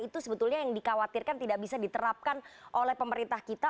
itu sebetulnya yang dikhawatirkan tidak bisa diterapkan oleh pemerintah kita